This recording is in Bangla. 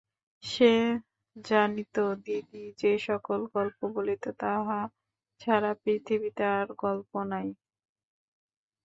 সে জানিত, দিদি যে-সকল গল্প বলিত তাহা ছাড়া পৃথিবীতে আর গল্প নাই।